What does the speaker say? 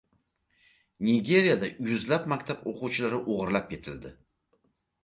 Nigeriyada yuzlab maktab o‘quvchilari o‘g‘irlab ketildi